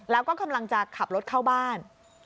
แล้วก็กำลังจะขับรถเข้าบ้าน